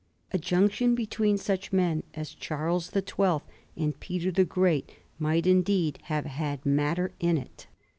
A junction between such men as Charles the Twelfth and Peter the Great might indeed have had matter in it.